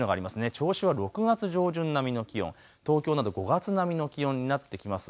銚子は６月上旬並みの気温、東京など５月並みの気温になってきます。